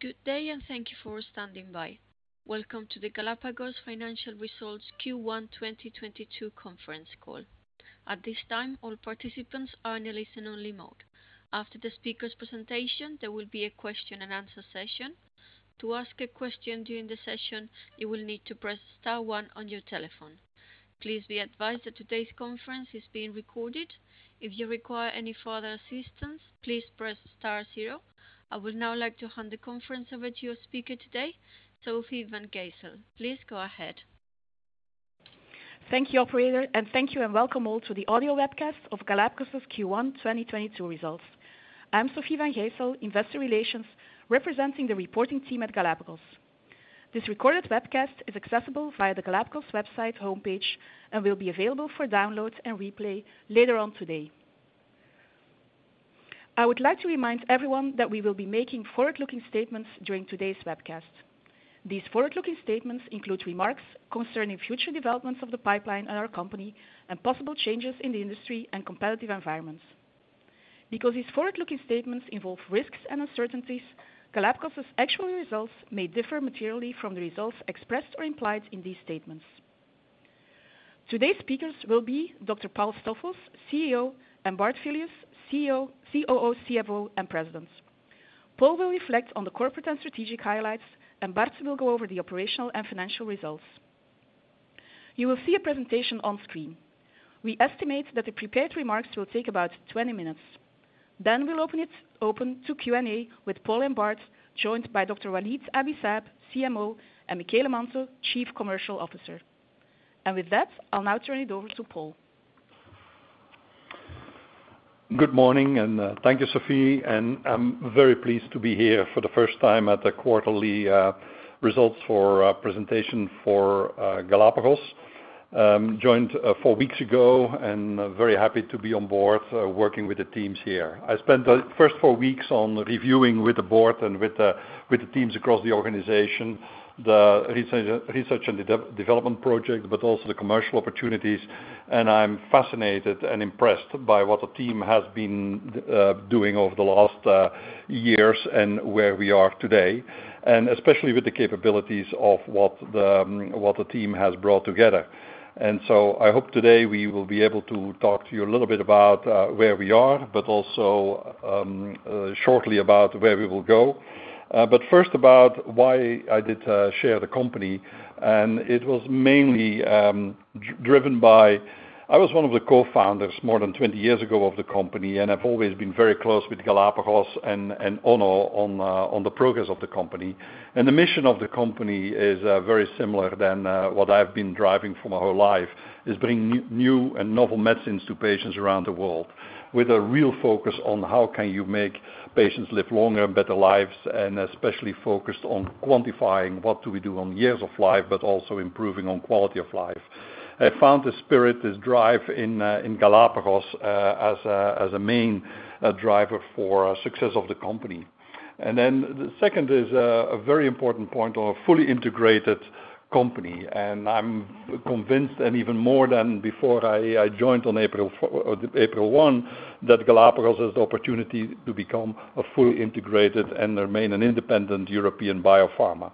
Good day and thank you for standing by. Welcome to the Galapagos Financial Results Q1 2022 conference call. At this time, all participants are in a listen-only mode. After the speaker's presentation, there will be a question and answer session. To ask a question during the session, you will need to press star one on your telephone. Please be advised that today's conference is being recorded. If you require any further assistance, please press star zero. I would now like to hand the conference over to your speaker today, Sofie Van Gijsel. Please go ahead. Thank you, operator, and thank you and welcome all to the audio webcast of Galapagos's Q1 2022 results. I'm Sofie Van Gijsel, investor relations, representing the reporting team at Galapagos. This recorded webcast is accessible via the Galapagos website homepage and will be available for download and replay later on today. I would like to remind everyone that we will be making forward-looking statements during today's webcast. These forward-looking statements include remarks concerning future developments of the pipeline at our company and possible changes in the industry and competitive environments. Because these forward-looking statements involve risks and uncertainties, Galapagos's actual results may differ materially from the results expressed or implied in these statements. Today's speakers will be Dr. Paul Stoffels, CEO, and Bart Filius, COO, CFO, and President. Paul will reflect on the corporate and strategic highlights, and Bart will go over the operational and financial results. You will see a presentation on screen. We estimate that the prepared remarks will take about 20 minutes. Then we'll open it to Q&A with Paul and Bart, joined by Dr. Walid Abi-Saab, Chief Medical Officer, and Michele Manto, CCO. With that, I'll now turn it over to Paul. Good morning, thank you, Sophie. I'm very pleased to be here for the first time at the quarterly results presentation for Galapagos. I joined four weeks ago and very happy to be on board, working with the teams here. I spent the first four weeks on reviewing with the board and with the teams across the organization, the research and development project, but also the commercial opportunities. I'm fascinated and impressed by what the team has been doing over the last years and where we are today, and especially with the capabilities of what the team has brought together. I hope today we will be able to talk to you a little bit about where we are, but also shortly about where we will go. First, about why I did chair the company, and it was mainly driven by I was one of the cofounders more than 20 years ago of the company, and I've always been very close with Galapagos and an honor on the progress of the company. The mission of the company is very similar than what I've been driving for my whole life, is bring new and novel medicines to patients around the world with a real focus on how can you make patients live longer and better lives, and especially focused on quantifying what do we do on years of life, but also improving on quality of life. I found the spirit, this drive in Galapagos, as a main driver for success of the company. The second is a very important point of a fully integrated company, and I'm convinced, and even more than before I joined on April 1st, that Galapagos has the opportunity to become a fully integrated and remain an independent European biopharma.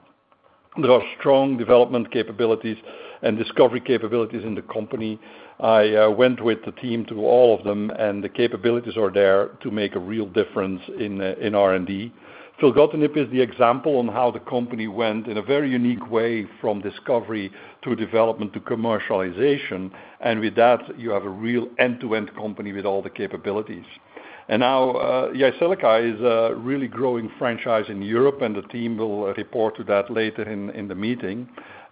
There are strong development capabilities and discovery capabilities in the company. I went with the team to all of them, and the capabilities are there to make a real difference in R&D. Filgotinib is the example on how the company went in a very unique way from discovery to development to commercialization. With that, you have a real end-to-end company with all the capabilities. Now, Jyseleca is a really growing franchise in Europe, and the team will report to that later in the meeting.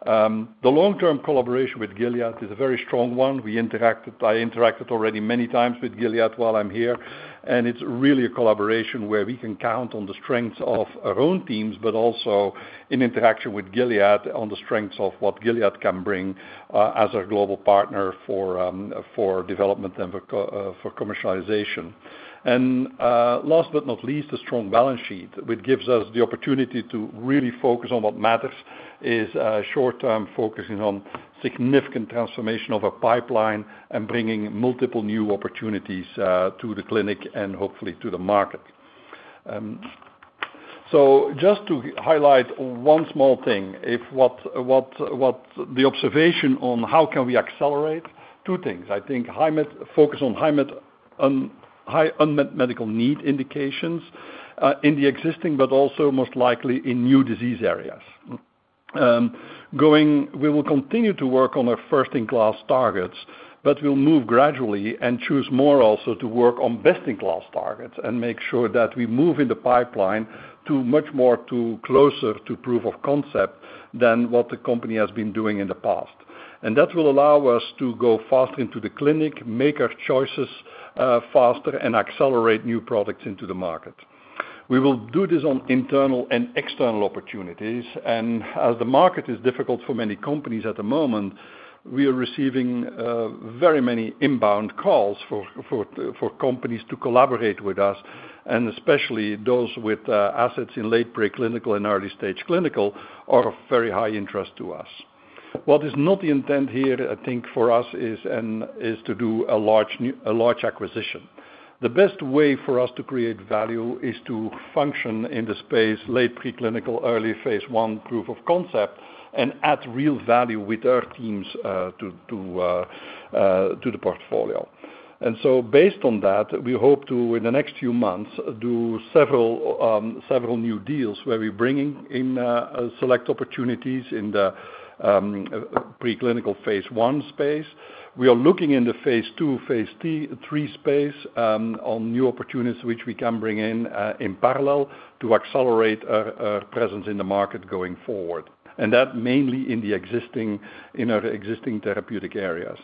The long-term collaboration with Gilead is a very strong one. I interacted already many times with Gilead while I'm here, and it's really a collaboration where we can count on the strengths of our own teams, but also in interaction with Gilead on the strengths of what Gilead can bring, as a global partner for development and for commercialization. Last but not least, a strong balance sheet, which gives us the opportunity to really focus on what matters is short-term focusing on significant transformation of a pipeline and bringing multiple new opportunities to the clinic and hopefully to the market. Just to highlight one small thing, is what the observation on how can we accelerate two things. I think focus on high unmet medical need indications in the existing but also most likely in new disease areas. We will continue to work on our first-in-class targets, but we'll move gradually and choose more also to work on best-in-class targets and make sure that we move in the pipeline to much more to closer to proof of concept than what the company has been doing in the past. That will allow us to go faster into the clinic, make our choices, faster, and accelerate new products into the market. We will do this on internal and external opportunities, and as the market is difficult for many companies at the moment, we are receiving very many inbound calls for companies to collaborate with us, and especially those with assets in late pre-clinical and early-stage clinical are of very high interest to us. What is not the intent here, I think, for us is to do a large acquisition. The best way for us to create value is to function in the space late preclinical, early phase I proof of concept and add real value with our teams to the portfolio. Based on that, we hope to in the next few months do several new deals where we're bringing in select opportunities in the preclinical phase I space. We are looking in the phase II, phase III space on new opportunities which we can bring in in parallel to accelerate our presence in the market going forward. That mainly in the existing, in our existing therapeutic areas.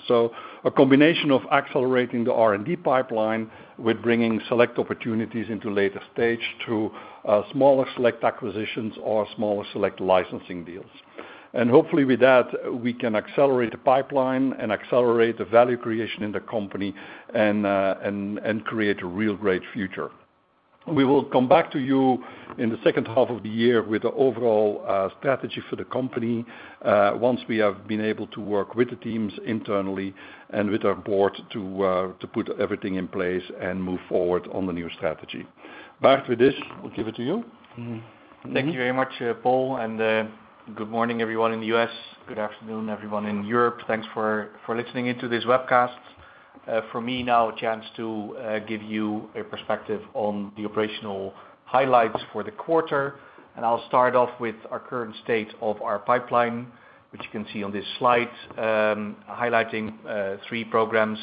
A combination of accelerating the R&D pipeline with bringing select opportunities into later stage through smaller select acquisitions or smaller select licensing deals. Hopefully with that, we can accelerate the pipeline and accelerate the value creation in the company and create a real great future. We will come back to you in the second half of the year with the overall strategy for the company once we have been able to work with the teams internally and with our board to put everything in place and move forward on the new strategy. Bart, with this, we'll give it to you. Thank you very much, Paul, and good morning everyone in the US. Good afternoon, everyone in Europe. Thanks for listening in to this webcast. For me now a chance to give you a perspective on the operational highlights for the quarter. I'll start off with our current state of our pipeline, which you can see on this slide, highlighting three programs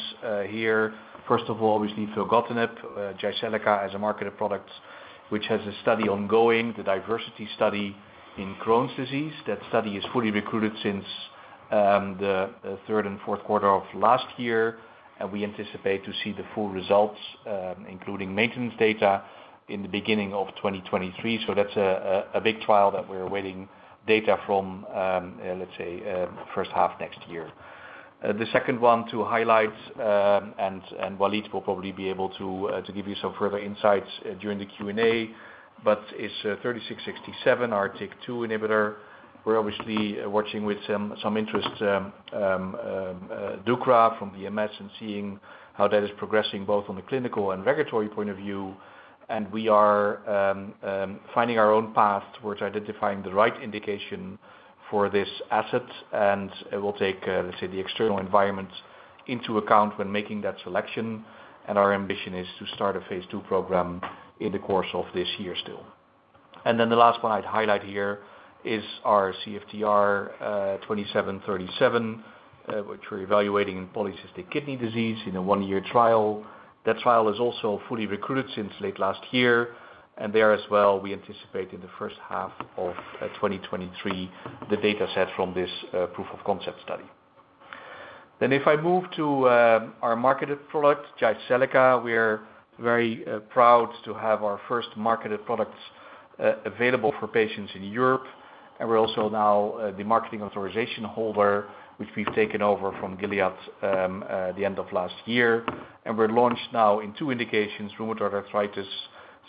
here. First of all, obviously filgotinib, Jyseleca as a marketed product, which has a study ongoing, the DIVERSITY study in Crohn's disease. That study is fully recruited since the Q3 and Q4 of last year, and we anticipate to see the full results, including maintenance data in the beginning of 2023. That's a big trial that we're awaiting data from, let's say, first half next year. The second one to highlight, and Walid will probably be able to give you some further insights during the Q&A, but it's 3667, our TYK2 inhibitor. We're obviously watching with some interest, deucravacitinib from BMS and seeing how that is progressing both on the clinical and regulatory point of view. We are finding our own path towards identifying the right indication for this asset. It will take, let's say, the external environment into account when making that selection. Our ambition is to start a phase two program in the course of this year still. Then the last one I'd highlight here is our CFTR-2737, which we're evaluating in polycystic kidney disease in a one-year trial. That trial is also fully recruited since late last year, and there as well, we anticipate in the first half of 2023, the data set from this proof of concept study. If I move to our marketed product, Jyseleca, we're very proud to have our first marketed product available for patients in Europe. We're also now the marketing authorization holder, which we've taken over from Gilead the end of last year. We're launched now in two indications, rheumatoid arthritis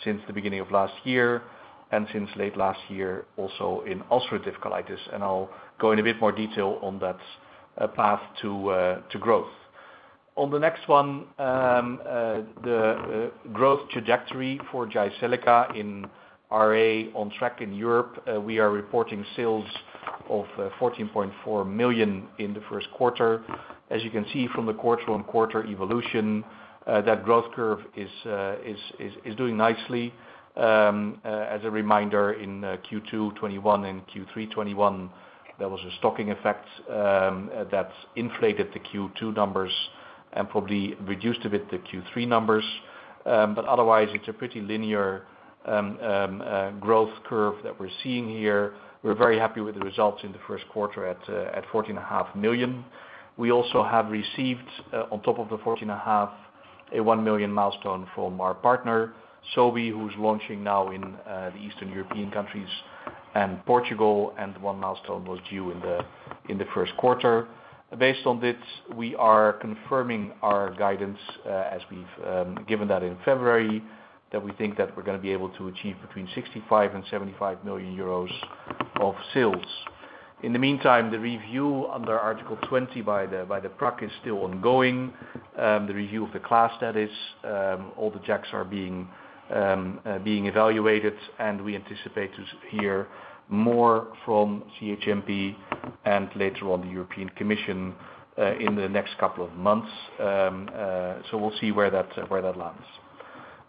since the beginning of last year and since late last year, also in ulcerative colitis. I'll go in a bit more detail on that path to growth. On the next one, the growth trajectory for Jyseleca in RA on track in Europe, we are reporting sales of 14.4 million in the first quarter. As you can see from the quarter-on-quarter evolution, that growth curve is doing nicely. As a reminder, in Q2 2021 and Q3 2021, there was a stocking effect that inflated the Q2 numbers and probably reduced a bit the Q3 numbers. Otherwise, it's a pretty linear growth curve that we're seeing here. We're very happy with the results in the first quarter at 14.5 million. We also have received, on top of the 14.5 million, a 1 million milestone from our partner, Sobi, who's launching now in the Eastern European countries and Portugal, and one milestone was due in the Q1. Based on this, we are confirming our guidance, as we've given that in February, that we think that we're gonna be able to achieve between 65 million and 75 million euros of sales. In the meantime, the review under Article 20 by the PRAC is still ongoing. The review of the class, that is. All the JAKs are being evaluated, and we anticipate to hear more from CHMP and later on the European Commission, in the next couple of months. We'll see where that lands.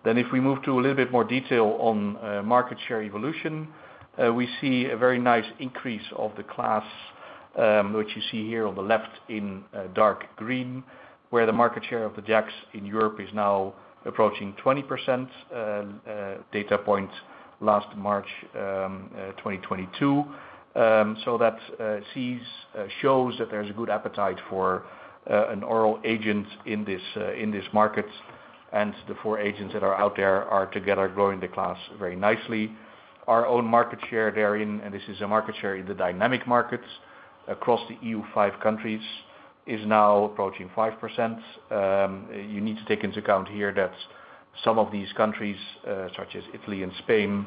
If we move to a little bit more detail on market share evolution, we see a very nice increase of the class, which you see here on the left in dark green, where the market share of the JAKs in Europe is now approaching 20%, data point last March 2022. That shows that there's a good appetite for an oral agent in this market. The four agents that are out there are together growing the class very nicely. Our own market share therein, and this is a market share in the dynamic markets across the E.U. five countries, is now approaching 5%. You need to take into account here that some of these countries, such as Italy and Spain,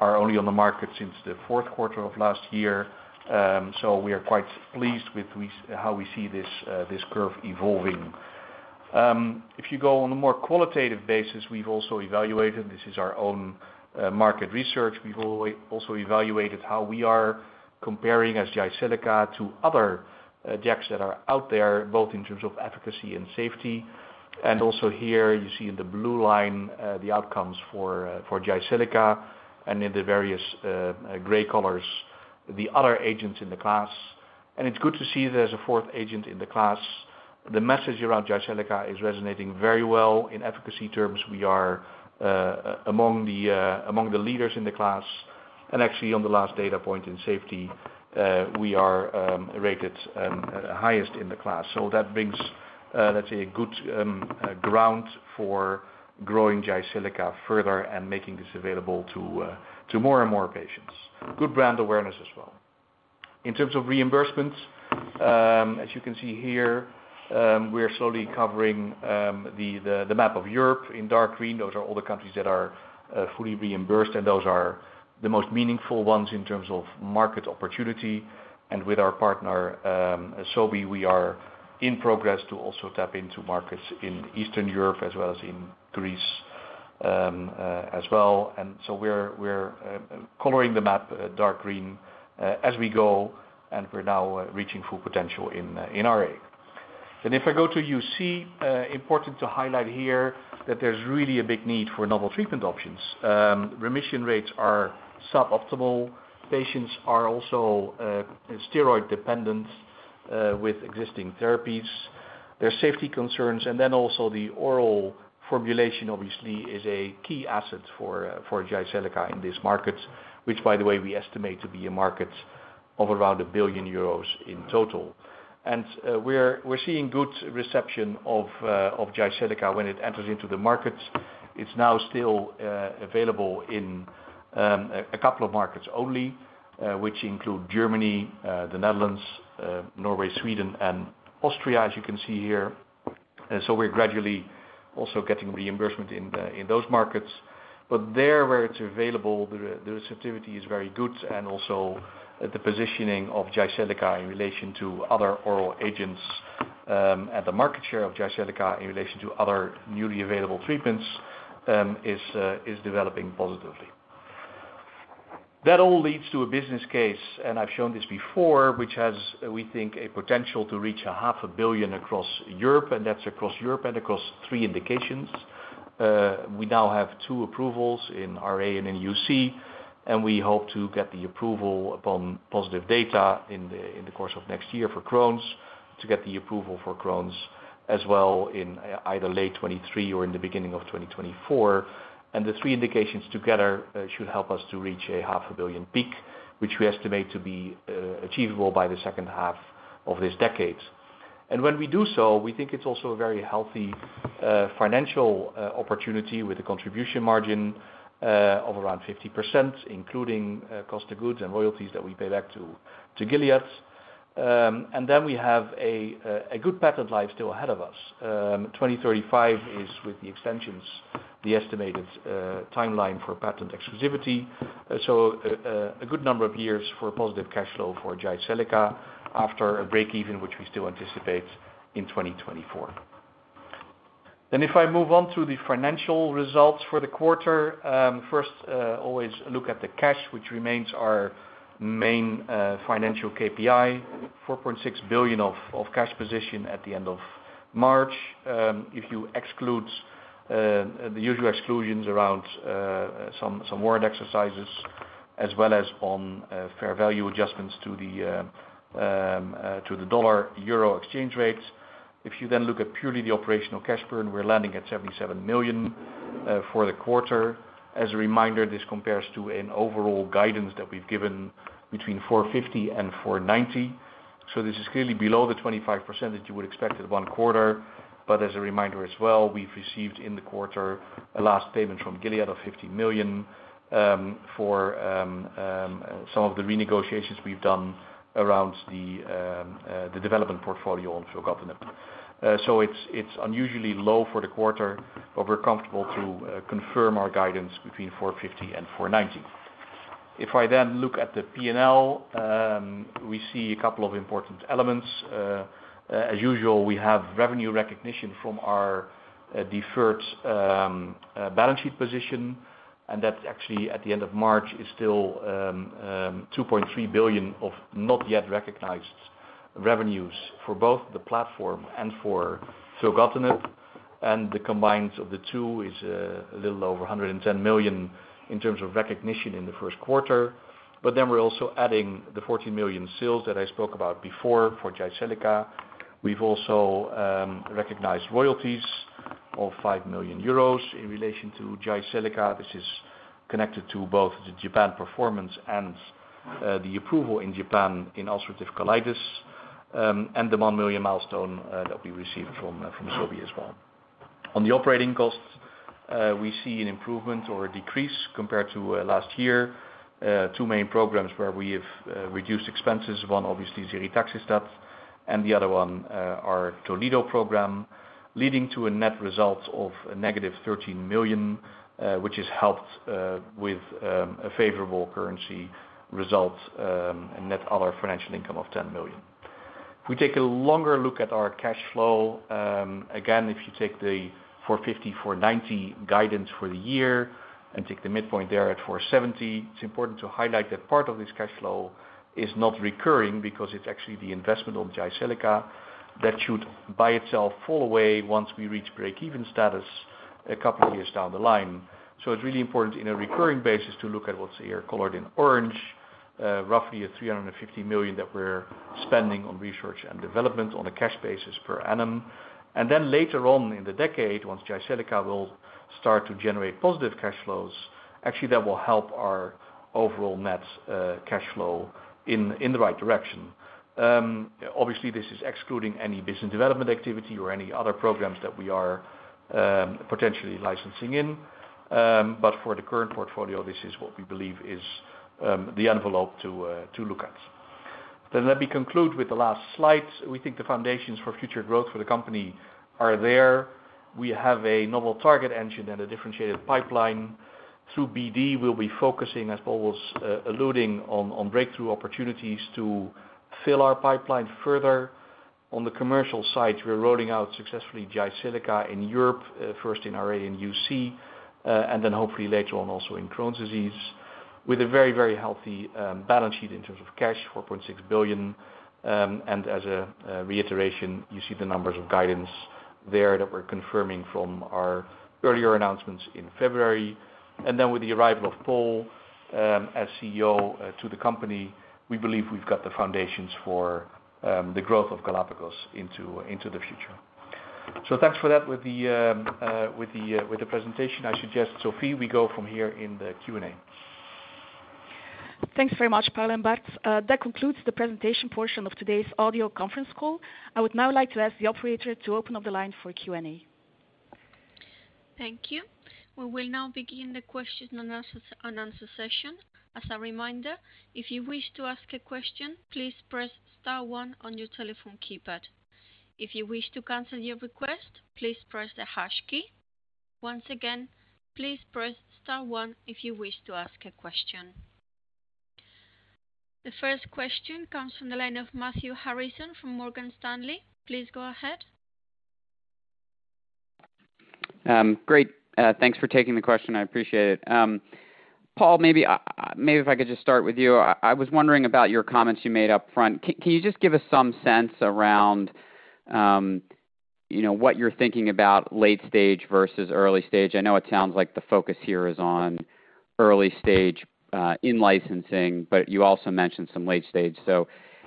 are only on the market since the fourth quarter of last year. We are quite pleased with how we see this curve evolving. If you go on a more qualitative basis, we've also evaluated, this is our own market research. We've also evaluated how we are comparing as Jyseleca to other drugs that are out there, both in terms of efficacy and safety. Also here you see in the blue line the outcomes for Jyseleca and in the various gray colors, the other agents in the class. It's good to see that as a fourth agent in the class, the message around Jyseleca is resonating very well. In efficacy terms, we are among the leaders in the class, and actually on the last data point in safety, we are rated highest in the class. That brings let's say a good ground for growing Jyseleca further and making this available to more and more patients. Good brand awareness as well. In terms of reimbursements, as you can see here, we are slowly covering the map of Europe. In dark green those are all the countries that are fully reimbursed, and those are the most meaningful ones in terms of market opportunity. With our partner Sobi, we are in progress to also tap into markets in Eastern Europe as well as in Greece, as well. We're coloring the map dark green as we go, and we're now reaching full potential in RA. If I go to UC, important to highlight here that there's really a big need for novel treatment options. Remission rates are suboptimal. Patients are also steroid dependent with existing therapies, there are safety concerns, and then also the oral formulation obviously is a key asset for Jyseleca in this market, which by the way, we estimate to be a market of around 1 billion euros in total. We're seeing good reception of Jyseleca when it enters into the market. It's now still available in a couple of markets only, which include Germany, the Netherlands, Norway, Sweden, and Austria, as you can see here. We're gradually also getting reimbursement in those markets. There where it's available, the receptivity is very good. Also the positioning of Jyseleca in relation to other oral agents, and the market share of Jyseleca in relation to other newly available treatments, is developing positively. That all leads to a business case, and I've shown this before, which has, we think, a potential to reach half a billion EUR across Europe, and that's across Europe and across three indications. We now have two approvals in RA and in UC, and we hope to get the approval upon positive data in the course of next year for Crohn's to get the approval for Crohn's as well in either late 2023 or in the beginning of 2024. The three indications together should help us to reach EUR half a billion peak, which we estimate to be achievable by the second half of this decade. When we do so, we think it's also a very healthy financial opportunity with a contribution margin of around 50%, including cost of goods and royalties that we pay back to Gilead. Then we have a good patent life still ahead of us. 2035 is with the extensions, the estimated timeline for patent exclusivity. A good number of years for positive cash flow for Jyseleca after a breakeven, which we still anticipate in 2024. If I move on to the financial results for the quarter, first, always look at the cash, which remains our main financial KPI, 4.6 billion cash position at the end of March. If you exclude the usual exclusions around some warrant exercises as well as fair value adjustments to the dollar euro exchange rates. If you then look at purely the operational cash burn, we're landing at 77 million for the quarter. As a reminder, this compares to an overall guidance that we've given between 450 million and 490 million. This is clearly below the 25% that you would expect at one quarter. As a reminder as well, we've received in the quarter a last payment from Gilead of 50 million for some of the renegotiations we've done around the development portfolio on filgotinib. It's unusually low for the quarter, but we're comfortable to confirm our guidance between 450 million and 490 million. If I then look at the P&L, we see a couple of important elements. As usual, we have revenue recognition from our deferred balance sheet position, and that's actually at the end of March is still 2.3 billion of not yet recognized revenues for both the platform and for filgotinib. The combined of the two is a little over 110 million in terms of recognition in the first quarter. We're also adding the 14 million sales that I spoke about before for Jyseleca. We've also recognized royalties of 5 million euros in relation to Jyseleca, which is connected to both the Japan performance and the approval in Japan in ulcerative colitis, and the 1 million milestone that we received from Sobi as well. On the operating costs, we see an improvement or a decrease compared to last year. Two main programs where we have reduced expenses. One obviously ziritaxestat and the other one, our Toledo program. Leading to a net result of negative 13 million, which is helped with a favorable currency result, and net other financial income of 10 million. If we take a longer look at our cash flow, again, if you take the 450-490 guidance for the year and take the midpoint there at 470, it's important to highlight that part of this cash flow is not recurring because it's actually the investment on Jyseleca that should by itself fall away once we reach breakeven status a couple of years down the line. It's really important on a recurring basis to look at what's here colored in orange, roughly 350 million that we're spending on research and development on a cash basis per annum. Later on in the decade, once Jyseleca will start to generate positive cash flows, actually that will help our overall net cash flow in the right direction. Obviously, this is excluding any business development activity or any other programs that we are potentially licensing in. For the current portfolio, this is what we believe is the envelope to look at. Let me conclude with the last slide. We think the foundations for future growth for the company are there. We have a novel target engine and a differentiated pipeline. Through BD, we'll be focusing, as Paul was alluding on, breakthrough opportunities to fill our pipeline further. On the commercial side, we're rolling out successfully Jyseleca in Europe, first in RA and UC, and then hopefully later on also in Crohn's disease. With a very healthy balance sheet in terms of cash, 4.6 billion. As a reiteration, you see the guidance numbers there that we're confirming from our earlier announcements in February. Then with the arrival of Paul as CEO to the company, we believe we've got the foundations for the growth of Galapagos into the future. Thanks for that. With the presentation, I suggest, Sophie, we go from here in the Q&A. Thanks very much, Paul and Bart. That concludes the presentation portion of today's audio conference call. I would now like to ask the operator to open up the line for Q&A. Thank you. We will now begin the question and answer session. As a reminder, if you wish to ask a question, please press star one on your telephone keypad. If you wish to cancel your request, please press the hash key. Once again, please press star one if you wish to ask a question. The first question comes from the line of Matthew Harrison from Morgan Stanley. Please go ahead. Great. Thanks for taking the question. I appreciate it. Paul, maybe if I could just start with you. I was wondering about your comments you made up front. Can you just give us some sense around, you know, what you're thinking about late stage versus early stage? I know it sounds like the focus here is on early stage in licensing, but you also mentioned some late stage.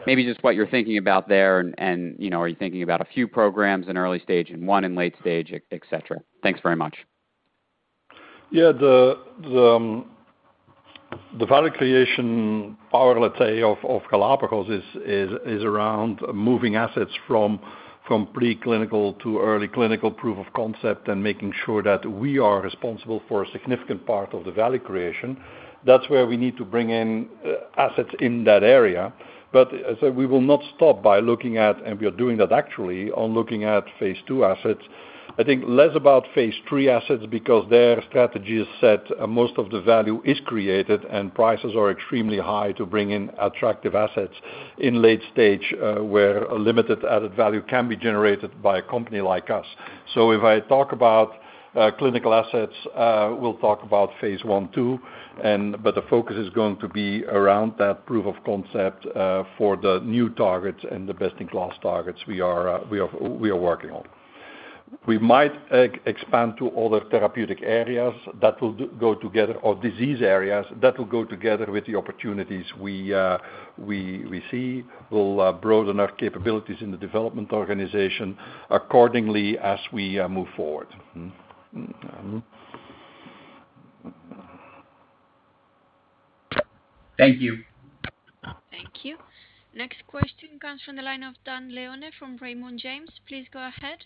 Maybe just what you're thinking about there and, you know, are you thinking about a few programs in early stage and one in late stage, et cetera? Thanks very much. Yeah. The value creation power, let's say, of Galapagos is around moving assets from preclinical to early clinical proof of concept and making sure that we are responsible for a significant part of the value creation. That's where we need to bring in assets in that area. We will not stop by looking at, and we are doing that actually, on looking at phase two assets. I think less about phase three assets because their strategy is set, most of the value is created, and prices are extremely high to bring in attractive assets in late stage, where a limited added value can be generated by a company like us. If I talk about clinical assets, we'll talk about phase I, II, but the focus is going to be around that proof of concept for the new targets and the best-in-class targets we are working on. We might expand to other therapeutic areas that will go together, or disease areas that will go together with the opportunities we see. We'll broaden our capabilities in the development organization accordingly as we move forward. Thank you. Thank you. Next question comes from the line of Dane Leone from Raymond James. Please go ahead.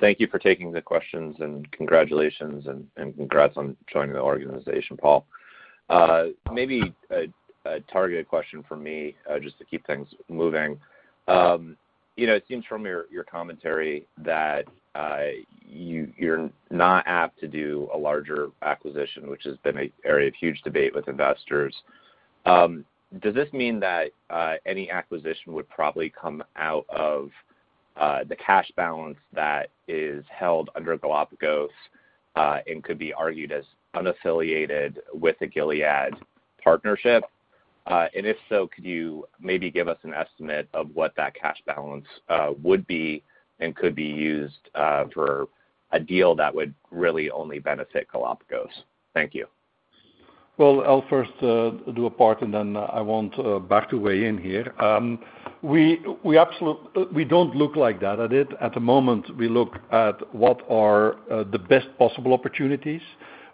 Thank you for taking the questions, and congratulations and congrats on joining the organization, Paul. Maybe a targeted question from me, just to keep things moving. You know, it seems from your commentary that you're not apt to do a larger acquisition, which has been an area of huge debate with investors. Does this mean that any acquisition would probably come out of the cash balance that is held under Galapagos and could be argued as unaffiliated with the Gilead partnership? If so, could you maybe give us an estimate of what that cash balance would be and could be used for a deal that would really only benefit Galapagos? Thank you. Well, I'll first do a part, and then I want Bart to weigh in here. We don't look at it like that. At the moment, we look at what are the best possible opportunities.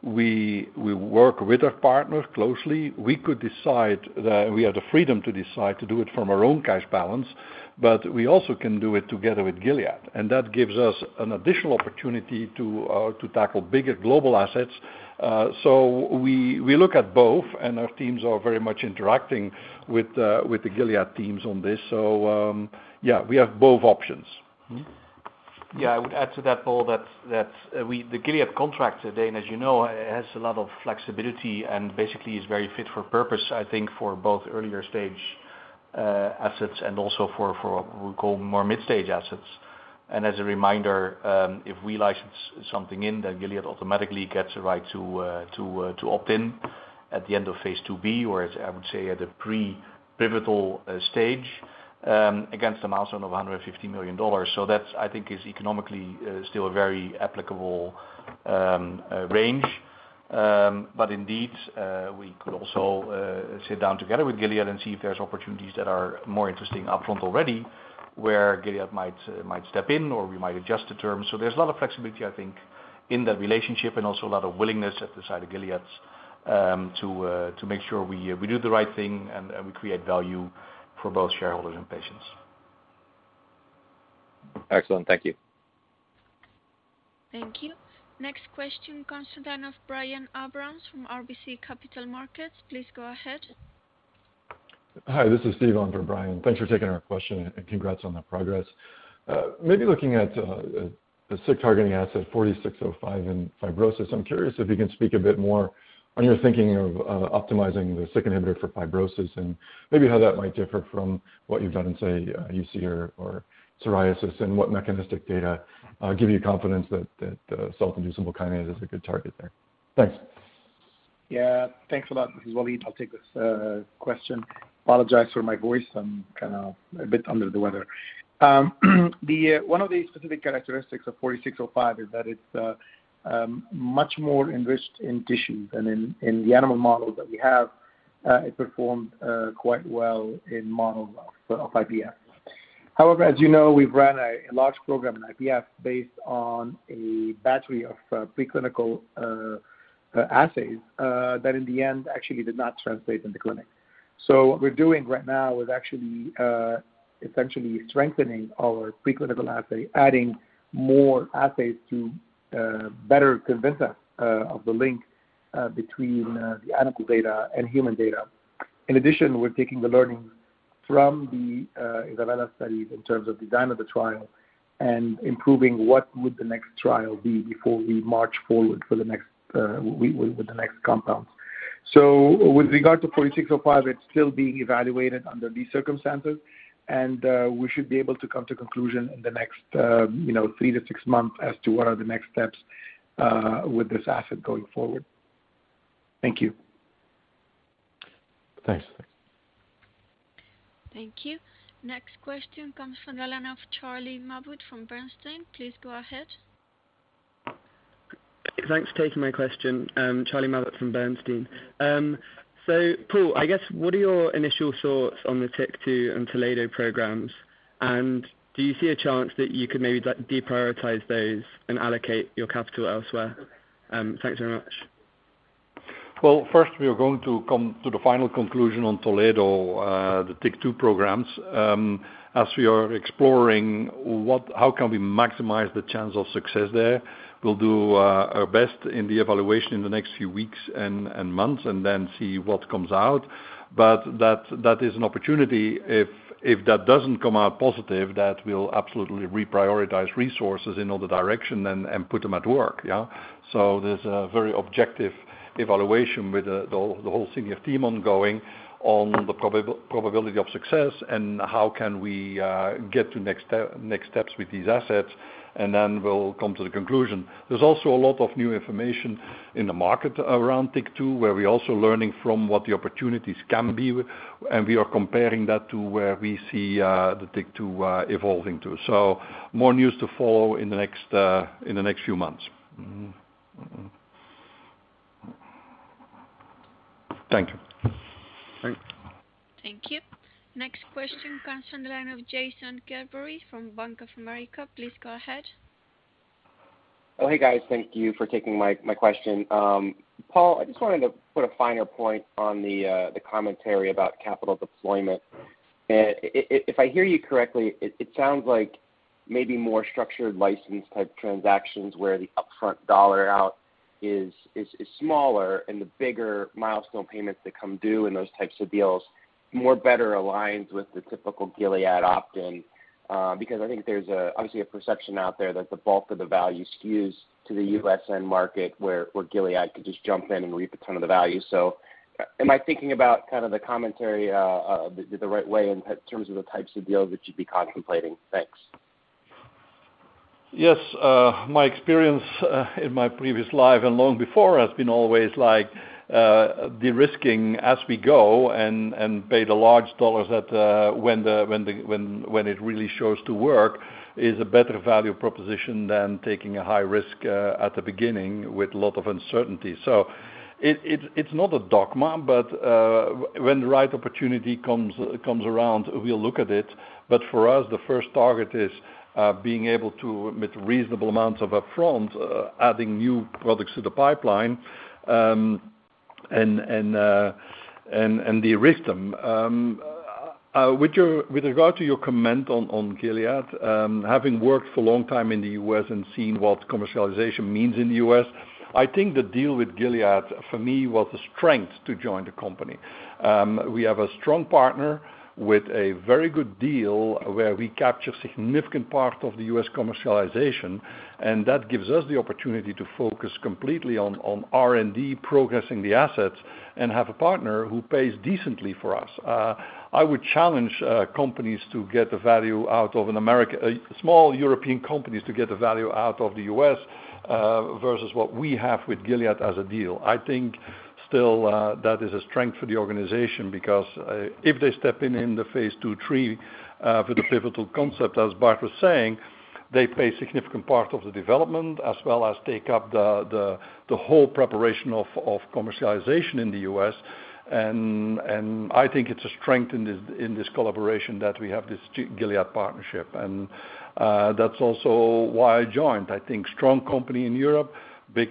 We work with our partners closely. We could decide that we have the freedom to decide to do it from our own cash balance, but we also can do it together with Gilead, and that gives us an additional opportunity to tackle bigger global assets. So we look at both, and our teams are very much interacting with the Gilead teams on this. Yeah, we have both options. Yes, I would add to that, Paul, that the Gilead contract today, and as you know, has a lot of flexibility and basically is very fit for purpose, I think, for both earlier stage assets and also for what we call more mid-stage assets. As a reminder, if we license something in, then Gilead automatically gets a right to opt in at the end of phase IIb, or as I would say, at the pre-pivotal stage, against a milestone of $150 million. That, I think, is economically still a very applicable range. But indeed, we could also sit down together with Gilead and see if there's opportunities that are more interesting upfront already, where Gilead might step in, or we might adjust the terms. There's a lot of flexibility, I think, in that relationship, and also a lot of willingness at the side of Gilead, to make sure we do the right thing and we create value for both shareholders and patients. Excellent. Thank you. Thank you. Next question comes in line of Brian Abrahams from RBC Capital Markets. Please go ahead. Hi, this is Steve on for Brian. Thanks for taking our question, and congrats on the progress. Maybe looking at the SIK-targeting asset 4605 in fibrosis, I'm curious if you can speak a bit more on your thinking of optimizing the SIK inhibitor for fibrosis and maybe how that might differ from what you've done in, say, UC or psoriasis, and what mechanistic data give you confidence that that SIK is a good target there. Thanks. Yeah. Thanks a lot. This is Walid. I'll take this question. Apologize for my voice. I'm kind of a bit under the weather. One of the specific characteristics of GLPG4605 is that it's much more enriched in tissue than in the animal model that we have. It performed quite well in models of IPF. However, as you know, we've ran a large program in IPF based on a battery of preclinical assays that in the end actually did not translate in the clinic. What we're doing right now is actually essentially strengthening our preclinical assay, adding more assays to better convince us of the link between the animal data and human data. In addition, we're taking the learnings from the ISABELA studies in terms of design of the trial and improving what would the next trial be before we march forward for the next with the next compounds. With regard to 4605, it's still being evaluated under these circumstances, and we should be able to come to conclusion in the next you know, 3-6 months as to what are the next steps with this asset going forward. Thank you. Thanks. Thank you. Next question comes from the line of Charlie Mabbutt from Bernstein. Please go ahead. Thanks for taking my question. I'm Charlie Mabbutt from Bernstein. Paul, I guess, what are your initial thoughts on the TYK2 and Toledo programs? Do you see a chance that you could maybe like deprioritize those and allocate your capital elsewhere? Thanks very much. Well, first, we are going to come to the final conclusion on Toledo, the TYK2 programs, as we are exploring how can we maximize the chance of success there. We'll do our best in the evaluation in the next few weeks and months, and then see what comes out. That is an opportunity. If that doesn't come out positive, that will absolutely reprioritize resources in all the direction and put them at work, yeah? There's a very objective evaluation with the whole senior team ongoing on the probability of success and how can we get to next steps with these assets, and then we'll come to the conclusion. There's also a lot of new information in the market around TYK2, where we're also learning from what the opportunities can be and we are comparing that to where we see the TYK2 evolving to. More news to follow in the next few months. Mm-hmm. Thank you. Thanks. Thank you. Next question comes from the line of Jason Gerberry from Bank of America. Please go ahead. Oh, hey, guys. Thank you for taking my question. Paul, I just wanted to put a finer point on the commentary about capital deployment. If I hear you correctly, it sounds like maybe more structured license-type transactions where the upfront dollar out is smaller and the bigger milestone payments that come due in those types of deals more better aligned with the typical Gilead opt-in. Because I think there's obviously a perception out there that the bulk of the value skews to the U.S. end market where Gilead could just jump in and reap a ton of the value. Am I thinking about kind of the commentary the right way in terms of the types of deals that you'd be contemplating? Thanks. Yes. My experience in my previous life and long before has been always like de-risking as we go and pay the large dollars at when it really shows to work is a better value proposition than taking a high risk at the beginning with a lot of uncertainty. It is not a dogma, but when the right opportunity comes around, we'll look at it. For us, the first target is being able to, with reasonable amounts of upfront, adding new products to the pipeline, and the rhythm. With regard to your comment on Gilead, having worked for a long time in the U.S. and seen what commercialization means in the U.S., I think the deal with Gilead for me was the strength to join the company. We have a strong partner with a very good deal where we capture significant part of the U.S. commercialization, and that gives us the opportunity to focus completely on R&D, progressing the assets, and have a partner who pays decently for us. I would challenge small European companies to get the value out of the U.S. versus what we have with Gilead as a deal. I think still that is a strength for the organization because if they step in in the phase two, three for the pivotal concept, as Bart was saying, they pay significant part of the development as well as take up the whole preparation of commercialization in the U.S. I think it's a strength in this collaboration that we have this Gilead partnership. That's also why I joined. I think strong company in Europe, big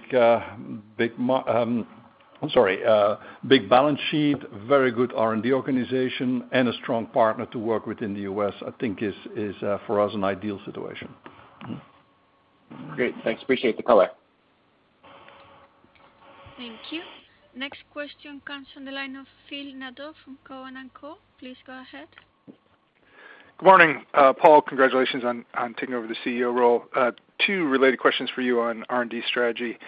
balance sheet, very good R&D organization, and a strong partner to work with in the U.S., I think is for us an ideal situation. Great. Thanks. Appreciate the color. Thank you. Next question comes from the line of Phil Nadeau from Cowen and Company. Please go ahead. Good morning. Paul, congratulations on taking over the CEO role. Two related questions for you on R&D strategy.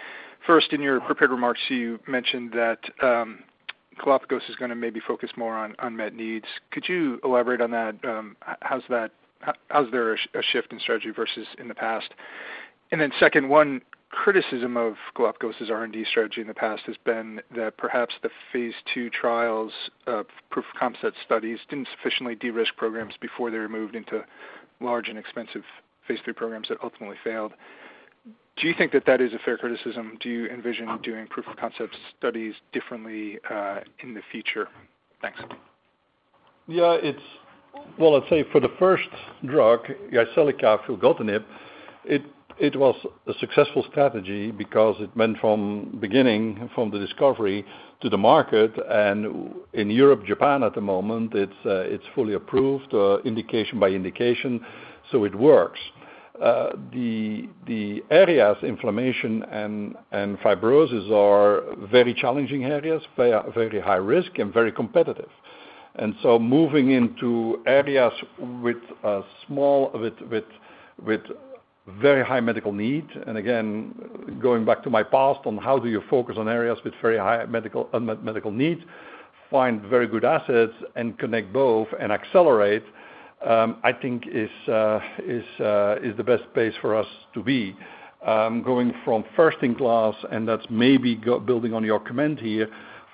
First, in your prepared remarks, you mentioned that Galapagos is gonna maybe focus more on unmet needs. Could you elaborate on that? How's that a shift in strategy versus in the past? Second, one criticism of Galapagos's R&D strategy in the past has been that perhaps the phase two trials, proof of concept studies didn't sufficiently de-risk programs before they were moved into large and expensive phase three programs that ultimately failed. Do you think that is a fair criticism? Do you envision doing proof of concept studies differently in the future? Thanks. Well, I'd say for the first drug, Jyseleca, filgotinib, it was a successful strategy because it went from the discovery to the market. In Europe and Japan at the moment, it's fully approved, indication by indication, so it works. The areas of inflammation and fibrosis are very challenging areas. They are very high risk and very competitive. Moving into areas with very high medical need, and again, going back to my past on how do you focus on areas with very high unmet medical needs, find very good assets and connect both and accelerate, I think is the best place for us to be. Going from first in class, building on your comment here,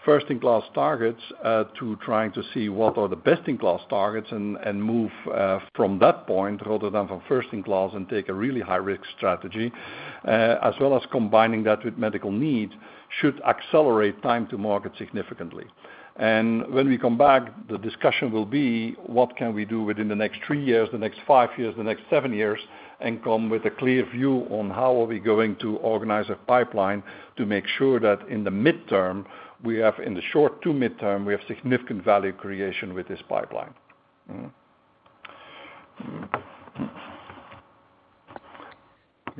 first in class targets, to trying to see what are the best in class targets and move from that point rather than from first in class and take a really high-risk strategy, as well as combining that with medical needs should accelerate time to market significantly. When we come back, the discussion will be what can we do within the next three years, the next five years, the next seven years, and come with a clear view on how are we going to organize a pipeline to make sure that in the midterm, in the short to midterm, we have significant value creation with this pipeline. Mm-hmm.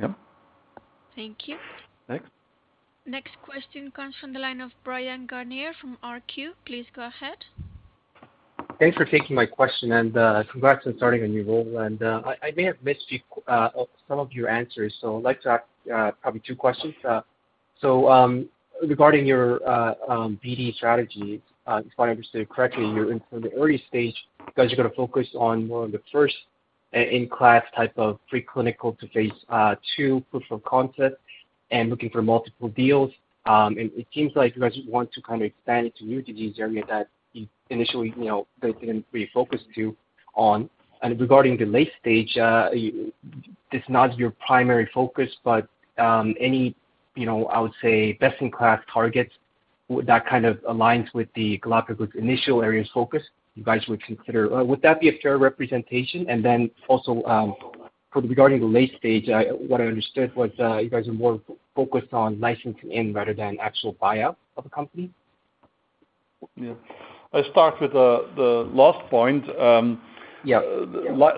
Yep. Thank you. Thanks. Next question comes from the line of Bryan Garnier from RQ. Please go ahead. Thanks for taking my question and, congrats on starting a new role. I may have missed some of your answers, so I'd like to ask probably two questions. Regarding your BD strategy, if I understood correctly, you're in from the early stage, you guys are gonna focus on more on the first in-class type of pre-clinical to phase two proof of concept and looking for multiple deals. It seems like you guys want to kind of expand into new disease area that you initially, you know, based in pre-focus to on. Regarding the late stage, this is not your primary focus, but any, you know, I would say best in class targets that kind of aligns with the Galapagos initial areas focus you guys would consider. Would that be a fair representation? Then also, for regarding the late stage, what I understood was, you guys are more focused on licensing in rather than actual buyout of the company. Yeah. I'll start with the last point. Yeah.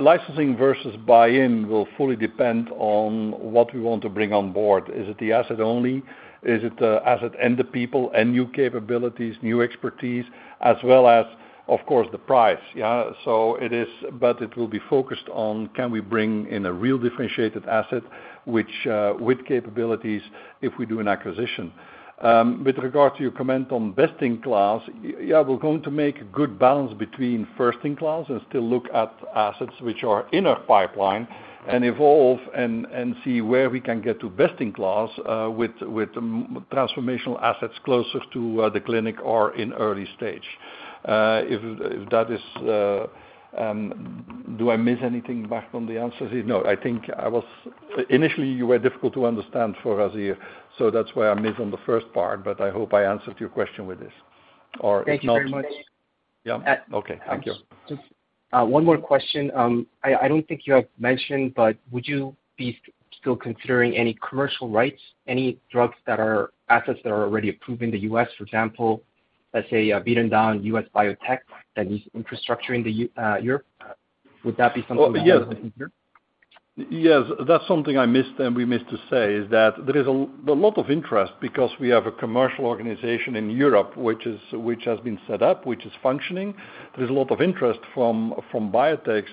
Licensing versus buy-in will fully depend on what we want to bring on board. Is it the asset only? Is it the asset and the people and new capabilities, new expertise, as well as, of course, the price, yeah. It will be focused on can we bring in a real differentiated asset which with capabilities if we do an acquisition. With regard to your comment on best in class, yeah, we're going to make good balance between first in class and still look at assets which are in our pipeline and evolve and see where we can get to best in class with transformational assets closer to the clinic or in early stage. If that is, do I miss anything, Bart, from the answer? No, I think I was. Initially, you were difficult to understand for us here, so that's why I missed on the first part, but I hope I answered your question with this. Thank you very much. Yeah. Okay. Thank you. Just one more question. I don't think you have mentioned, but would you be still considering any commercial rights, any assets that are already approved in the U.S., for example, let's say, beaten down U.S. biotech that needs infrastructure in Europe? Would that be something that Yes. That's something I missed and we missed to say is that there is a lot of interest because we have a commercial organization in Europe, which has been set up, which is functioning. There's a lot of interest from biotechs,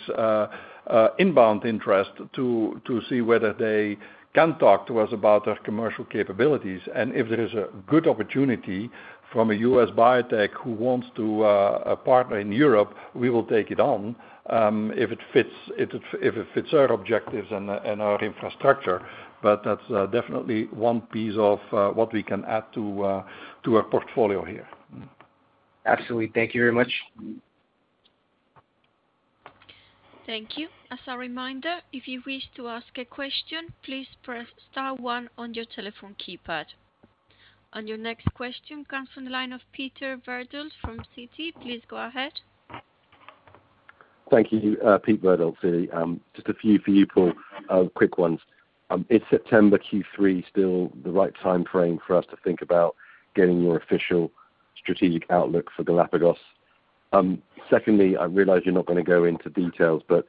inbound interest to see whether they can talk to us about their commercial capabilities. If there is a good opportunity from a U.S. biotech who wants to partner in Europe, we will take it on, if it fits our objectives and our infrastructure. That's definitely one piece of what we can add to a portfolio here. Absolutely. Thank you very much. Mm-hmm. Thank you. As a reminder, if you wish to ask a question, please press star one on your telephone keypad. Your next question comes from the line of Peter Verdult from Citi. Please go ahead. Thank you. Peter Verdult, Citi. Just a few for you, Paul. Quick ones. Is September Q3 still the right timeframe for us to think about getting your official strategic outlook for Galapagos? Secondly, I realize you're not gonna go into details, but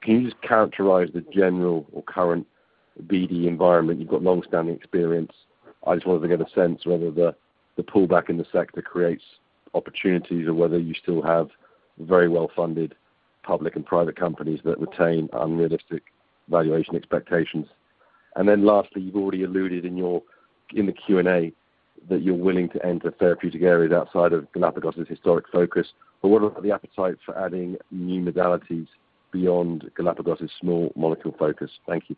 can you just characterize the general or current BD environment? You've got long-standing experience. I just wanted to get a sense whether the pullback in the sector creates opportunities or whether you still have very well-funded public and private companies that retain unrealistic valuation expectations. Lastly, you've already alluded in the Q&A that you're willing to enter therapeutic areas outside of Galapagos's historic focus, but what are the appetite for adding new modalities beyond Galapagos's small molecule focus? Thank you.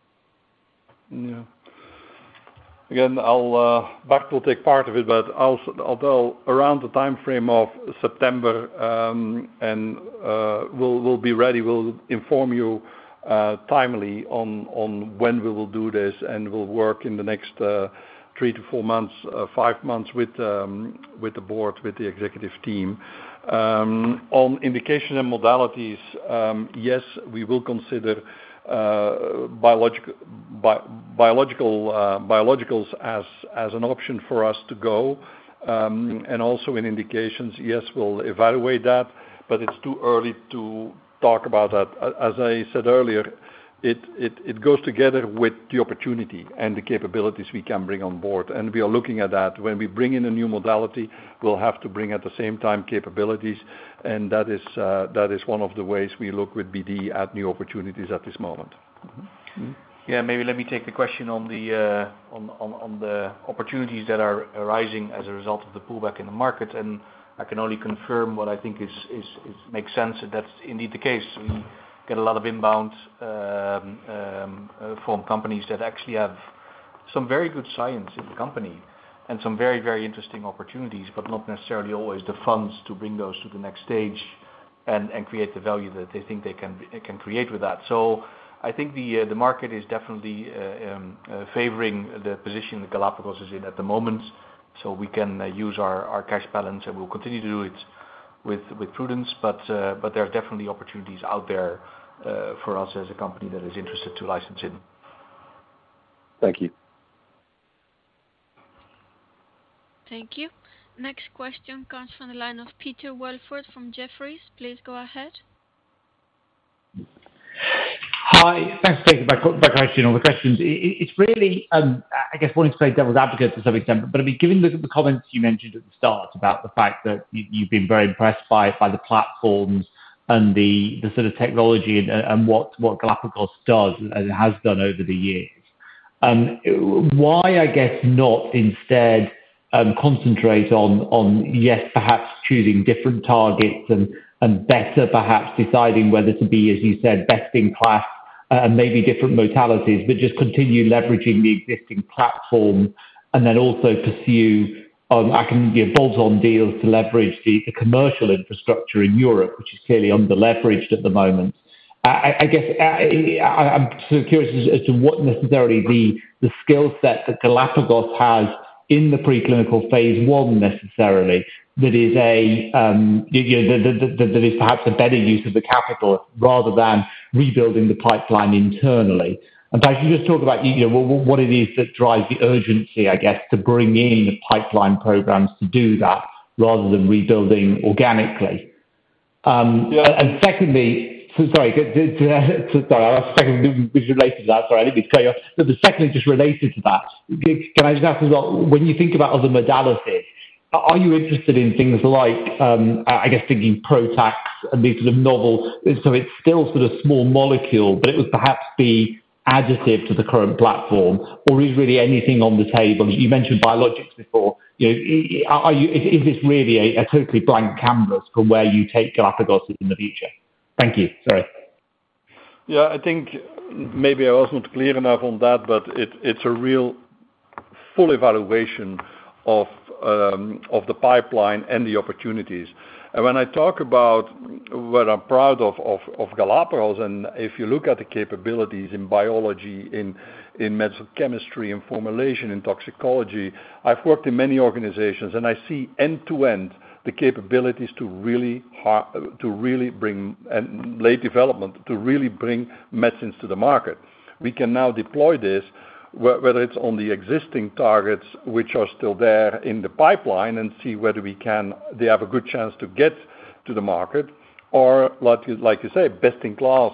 Yeah. Again, Bart will take part of it, but although around the timeframe of September, we'll be ready. We'll inform you timely on when we will do this, and we'll work in the next three-f months, 5 months with the board, with the executive team. On indication and modalities, yes, we will consider biologicals as an option for us to go. Also in indications, yes, we'll evaluate that, but it's too early to talk about that. As I said earlier, it goes together with the opportunity and the capabilities we can bring on board, and we are looking at that. When we bring in a new modality, we'll have to bring at the same time capabilities, and that is one of the ways we look with BD at new opportunities at this moment. Mm-hmm. Mm-hmm. Yeah. Maybe let me take the question on the opportunities that are arising as a result of the pullback in the market. I can only confirm what I think makes sense, that's indeed the case. We get a lot of inbound from companies that actually have some very good science in the company and some very, very interesting opportunities, but not necessarily always the funds to bring those to the next stage and create the value that they think they can create with that. I think the market is definitely favoring the position that Galapagos is in at the moment, so we can use our cash balance, and we'll continue to do it with prudence. there are definitely opportunities out there for us as a company that is interested to license in. Thank you. Thank you. Next question comes from the line of Peter Welford from Jefferies. Please go ahead. Hi. Thanks for taking my questions. It's really, I guess, wanting to play devil's advocate to some extent. I mean, given the comments you mentioned at the start about the fact that you've been very impressed by the platforms and the sort of technology and what Galapagos does and has done over the years. Why, I guess not instead concentrate on yes, perhaps choosing different targets and better perhaps deciding whether to be, as you said, best in class and maybe different modalities, but just continue leveraging the existing platform and then also pursue acquisitive bolt-on deals to leverage the commercial infrastructure in Europe, which is clearly under-leveraged at the moment. I guess I'm sort of curious as to what necessarily the skill set that Galapagos has in the preclinical phase one necessarily that is, you know, that is perhaps a better use of the capital rather than rebuilding the pipeline internally. In fact, you just talked about, you know, what it is that drives the urgency, I guess, to bring in the pipeline programs to do that rather than rebuilding organically. Yeah. Secondly, so sorry. Sorry, our second is related to that. Sorry, I didn't mean to cut you off. The secondly, just related to that. Can I just ask as well, when you think about other modalities, are you interested in things like, I guess thinking PROTACs and these sort of novel. So it's still sort of small molecule, but it would perhaps be additive to the current platform, or is really anything on the table? You mentioned biologics before. You know, are you. Is this really a totally blank canvas from where you take Galapagos in the future? Thank you. Sorry. Yeah. I think maybe I was not clear enough on that, but it's a real full evaluation of the pipeline and the opportunities. What I'm proud of Galapagos, and if you look at the capabilities in biology, in medical chemistry, in formulation, in toxicology, I've worked in many organizations, and I see end to end the capabilities to really bring into late development, to really bring medicines to the market. We can now deploy this whether it's on the existing targets which are still there in the pipeline and see whether they have a good chance to get to the market or like you say, best in class,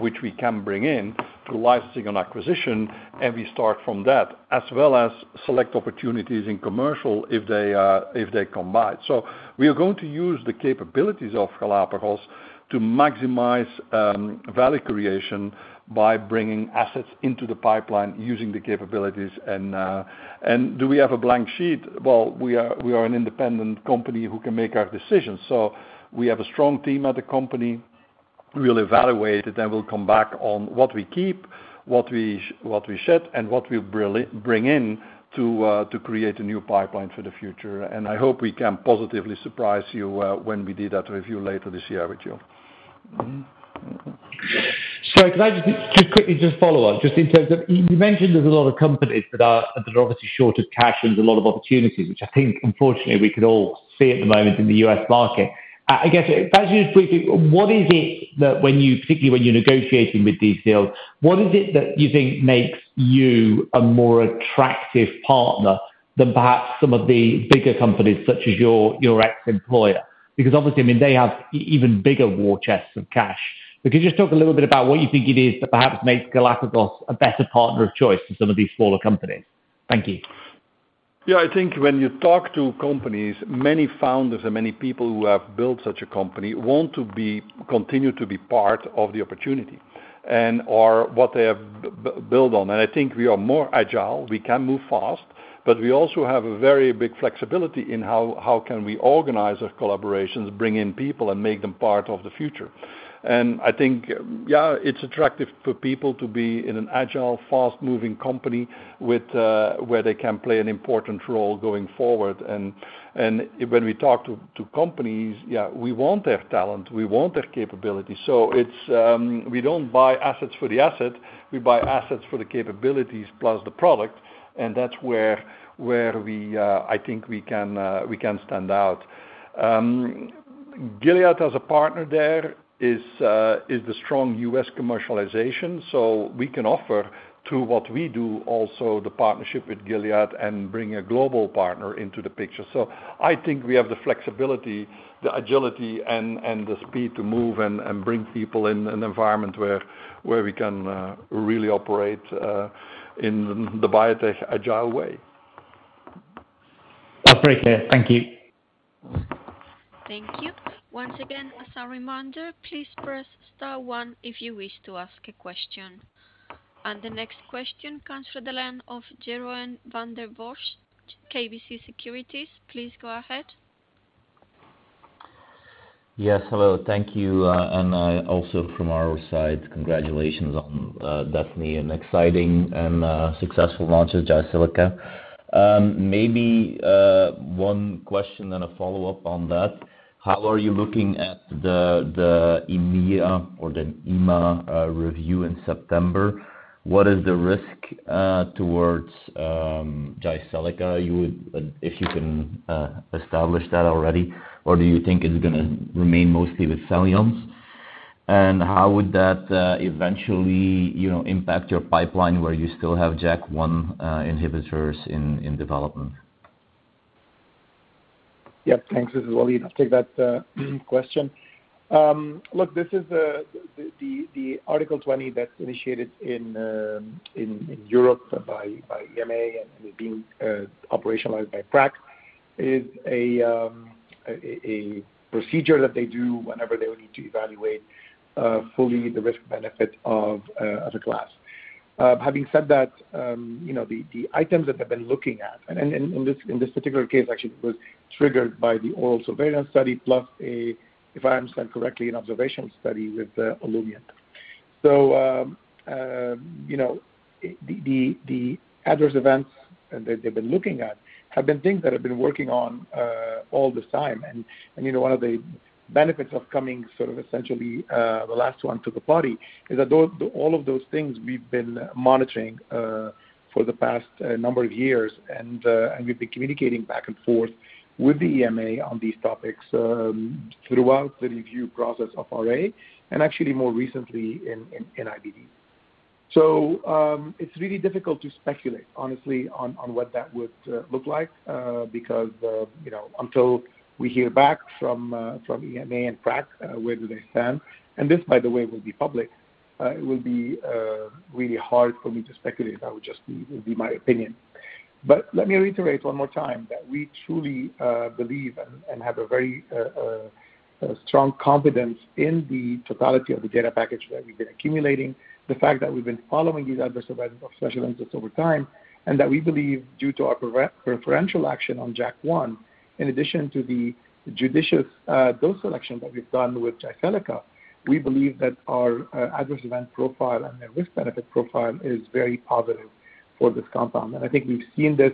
which we can bring in through licensing and acquisition, and we start from that. As well as select opportunities in commercial if they combine. We are going to use the capabilities of Galapagos to maximize value creation by bringing assets into the pipeline, using the capabilities. Do we have a blank sheet? Well, we are an independent company who can make our decisions. We have a strong team at the company. We'll evaluate it, and we'll come back on what we keep, what we shed, and what we really bring in to create a new pipeline for the future. I hope we can positively surprise you when we do that review later this year with you. Can I just quickly follow on in terms of? You mentioned there's a lot of companies that are obviously short of cash and there's a lot of opportunities, which I think unfortunately we could all see at the moment in the U.S. market. I guess, can I just briefly, what is it that, particularly when you're negotiating with these deals, you think makes you a more attractive partner than perhaps some of the bigger companies such as your ex-employer? Because obviously, I mean, they have even bigger war chests of cash. Can you just talk a little bit about what you think it is that perhaps makes Galapagos a better partner of choice for some of these smaller companies? Thank you. I think when you talk to companies, many founders and many people who have built such a company want to continue to be part of the opportunity and/or what they have built on. I think we are more agile, we can move fast, but we also have a very big flexibility in how we can organize our collaborations, bring in people, and make them part of the future. I think it's attractive for people to be in an agile, fast-moving company where they can play an important role going forward. When we talk to companies, we want their talent, we want their capability. We don't buy assets for the asset, we buy assets for the capabilities plus the product, and that's where I think we can stand out. Gilead as a partner there is the strong US commercialization, so we can offer through what we do also the partnership with Gilead and bring a global partner into the picture. I think we have the flexibility, the agility and the speed to move and bring people in an environment where we can really operate in the biotech agile way. That's very clear. Thank you. Thank you. Once again, as a reminder, please press star one if you wish to ask a question. The next question comes from the line of Jeroen Van den Bossche, KBC Securities. Please go ahead. Yes. Hello. Thank you. Also from our side, congratulations on definitely an exciting and successful launch of Jyseleca. Maybe one question and a follow-up on that. How are you looking at the EMEA or the EMA review in September? What is the risk towards Jyseleca? If you can establish that already, or do you think it's gonna remain mostly with Xeljanz? How would that eventually, you know, impact your pipeline where you still have JAK1 inhibitors in development? Yeah. Thanks. This is Walid. I'll take that question. Look, this is the Article 20 that's initiated in Europe by EMA and is being operationalized by PRAC. It is a procedure that they do whenever they would need to evaluate fully the risk benefit of as a class. Having said that, you know, the items that they've been looking at, and in this particular case actually it was triggered by the ORAL Surveillance study plus a, if I understand correctly, an observational study with Olumiant. You know, the adverse events that they've been looking at have been things that we've been working on all this time. you know, one of the benefits of coming sort of essentially the last one to the party is that all of those things we've been monitoring for the past number of years. We've been communicating back and forth with the EMA on these topics throughout the review process of RA and actually more recently in IBD. It's really difficult to speculate honestly on what that would look like because you know until we hear back from EMA and PRAC where do they stand. This, by the way, will be public. It will be really hard for me to speculate. That would just be my opinion. Let me reiterate one more time that we truly believe and have a very strong confidence in the totality of the data package that we've been accumulating. The fact that we've been following these adverse events of special interest over time, and that we believe due to our preferential action on JAK1, in addition to the judicious dose selection that we've done with Jyseleca, we believe that our adverse event profile and the risk-benefit profile is very positive for this compound. I think we've seen this.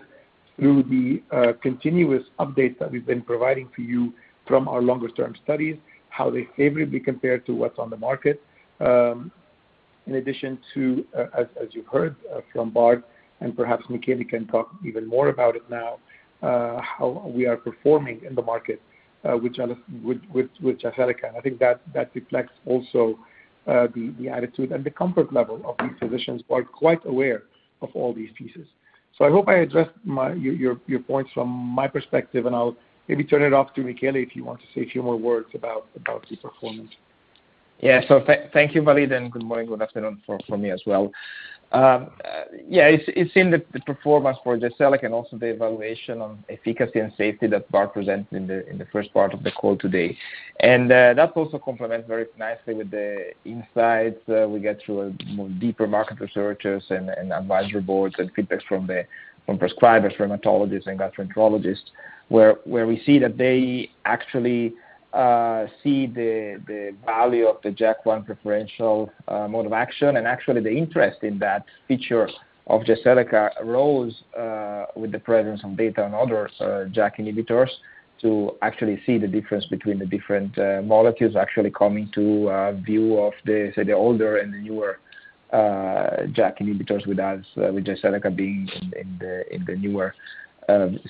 There will be continuous updates that we've been providing to you from our longer term studies, how they favorably compare to what's on the market. In addition to, as you've heard, from Bart, and perhaps Michele can talk even more about it now, how we are performing in the market with Jyseleca. I think that reflects also the attitude and the comfort level of these physicians who are quite aware of all these pieces. I hope I addressed your points from my perspective, and I'll maybe turn it over to Michele if he wants to say a few more words about the performance. Yeah. Thank you, Walid, and good morning, good afternoon from me as well. Yeah, it's in the performance for Jyseleca and also the evaluation on efficacy and safety that Bart presented in the first part of the call today. That also complements very nicely with the insights we get through a more deeper market research and advisory boards and feedback from the prescribers, rheumatologists and gastroenterologists. Where we see that they actually see the value of the JAK1 preferential mode of action. Actually the interest in that feature of Jyseleca rose with the presence of data and other JAK inhibitors to actually see the difference between the different molecules actually coming to view of, say, the older and the newer JAK inhibitors with us, with Jyseleca being in the newer,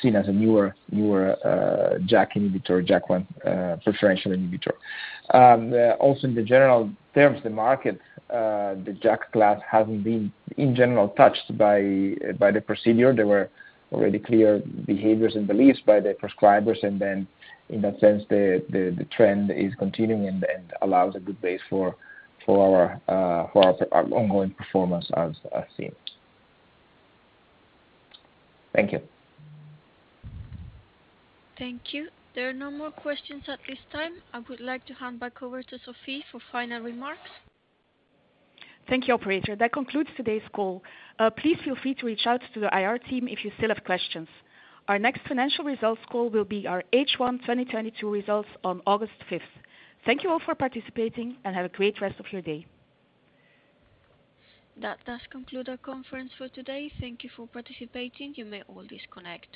seen as a newer JAK1 preferential inhibitor. Also in general terms, the market, the JAK class hasn't been, in general, touched by the procedure. There were already clear behaviors and beliefs by the prescribers and then in that sense, the trend is continuing and allows a good base for our ongoing performance as seen. Thank you. Thank you. There are no more questions at this time. I would like to hand back over to Sofie for final remarks. Thank you, operator. That concludes today's call. Please feel free to reach out to the IR team if you still have questions. Our next financial results call will be our H1 2022 results on August fifth. Thank you all for participating, and have a great rest of your day. That does conclude our conference for today. Thank you for participating. You may all disconnect.